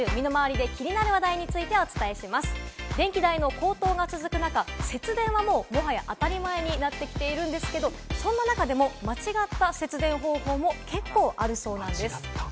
電気代の高騰が続く中、節電はもはや当たり前になってきているんですが、そんな中でも間違った節電方法も結構あるそうです。